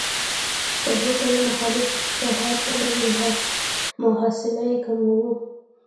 که دوه قوې مخالف جهت ولري محصله یې کموو.